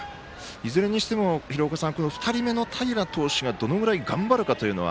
いずれにしても２人目の平投手がどのぐらい頑張るかどうかは。